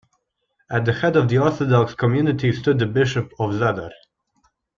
At the head of the Orthodox community stood the bishop of Zadar.